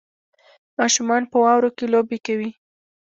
ماشومان په واورو کې لوبې کوي